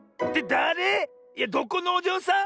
だれ⁉いやどこのおじょうさん？